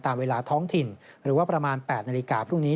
ตามเวลาท้องถิ่นหรือว่าประมาณ๘นาฬิกาพรุ่งนี้